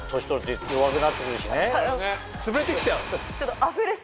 つぶれてきちゃう。